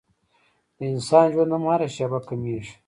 د انسان ژوند هم هره شېبه کمېږي.